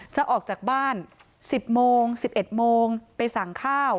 จะออกจากบ้าน๑๐โมง๑๑โมงไปสั่งข้าว